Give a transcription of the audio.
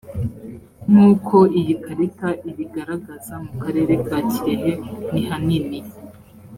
nkuko iyi karita ibigaragaza mu karere ka kirehe ni hanini